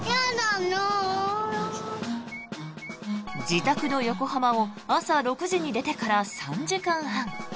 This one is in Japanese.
自宅の横浜を朝６時に出てから３時間半。